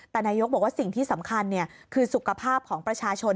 แต่นายกบอกว่าสิ่งที่สำคัญคือสุขภาพของประชาชน